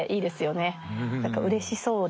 何かうれしそうで。